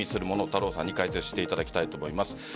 太郎さんに解説していただきたいと思います。